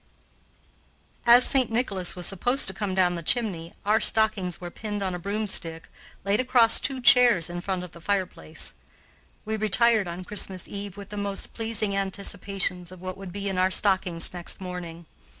As St. Nicholas was supposed to come down the chimney, our stockings were pinned on a broomstick, laid across two chairs in front of the fireplace. We retired on Christmas Eve with the most pleasing anticipations of what would be in our stockings next morning.